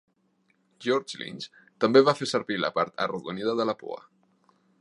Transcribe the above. George Lynch també fa servir la part arrodonida de la pua.